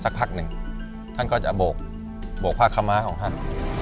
สักพักหนึ่งท่านก็จะโบกโบกภาคม้าของท่าน